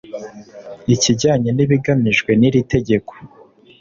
ikijyanye n’ibigamijwe n’iri tegeko